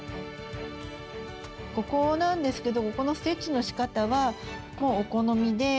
ここなんですけど、ここのステッチのしかたはもうお好みで。